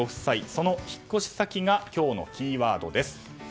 その引っ越し先が今日のキーワードです。